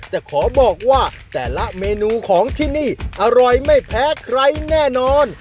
แต่ขอบอกว่าแต่ละเมนูของที่นี่อร่อยไม่แพ้ใครแน่นอน